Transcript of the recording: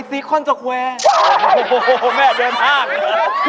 ไม่มีอะไรของเราเล่าส่วนฟังครับพี่